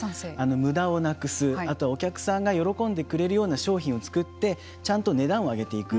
無駄をなくすあとはお客さんが喜んでくれるような商品を作ってちゃんと値段を上げていく。